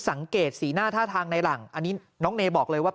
สังเกตสีหน้าท่าทางในหลังอันนี้น้องเนยบอกเลยว่า